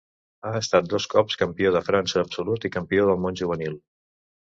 Ha estat dos cops Campió de França absolut i Campió del món juvenil.